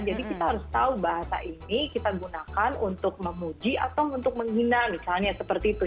kita harus tahu bahasa ini kita gunakan untuk memuji atau untuk menghina misalnya seperti itu